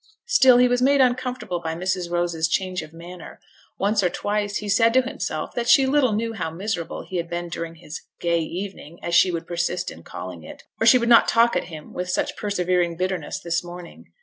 Still he was made uncomfortable by Mrs. Rose's change of manner; once or twice he said to himself that she little knew how miserable he had been during his 'gay evening,' as she would persist in calling it, or she would not talk at him with such persevering bitterness this morning.